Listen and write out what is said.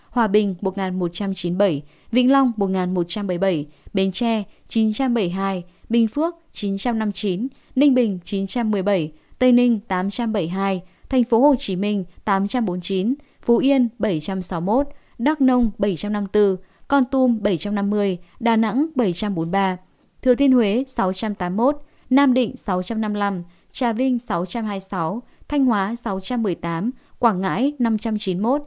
hòa bình một một trăm chín mươi bảy vĩnh long một một trăm bảy mươi bảy bến tre một chín trăm bảy mươi hai bình phước một chín trăm năm mươi chín ninh bình một chín trăm một mươi bảy tây ninh một tám trăm bảy mươi hai thành phố hồ chí minh một tám trăm bốn mươi chín phú yên một bảy trăm sáu mươi một đắk nông một bảy trăm năm mươi bốn con tum một bảy trăm năm mươi đà nẵng một bảy trăm bốn mươi ba thừa thiên huế một sáu trăm tám mươi một nam định một sáu trăm năm mươi năm trà vinh một sáu trăm hai mươi sáu thanh hóa một sáu trăm một mươi tám quảng ngãi một năm trăm chín mươi một